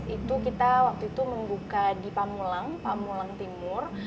itu kita waktu itu membuka di pamulang pamulang timur